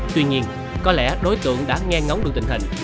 tuy nhiên có lẽ đối tượng đã nghe ngóng được tình hình